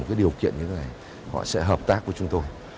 cái điều kiện như thế này họ sẽ hợp tác với chúng tôi